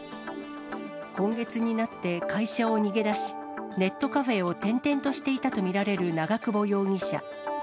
今月になって会社を逃げ出し、ネットカフェを転々としていたと見られる長久保容疑者。